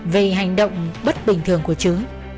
vì hành động bất bình thường của chứ